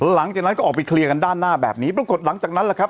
หลังจากนั้นก็ออกไปเคลียร์กันด้านหน้าแบบนี้ปรากฏหลังจากนั้นแหละครับ